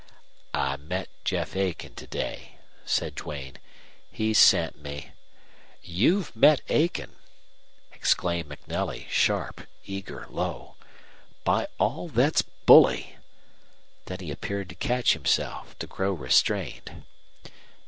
"I met Jeff Aiken to day," said Duane. "He sent me " "You've met Aiken!" exclaimed MacNelly, sharp, eager, low. "By all that's bully!" Then he appeared to catch himself, to grow restrained.